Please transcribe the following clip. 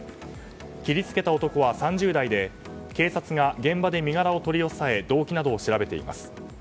切りつけた男は３０代で警察が現場で身柄を取り押さえ動機などを調べています。